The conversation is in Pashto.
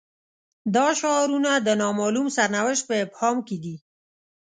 دا شعارونه د نا معلوم سرنوشت په ابهام کې دي.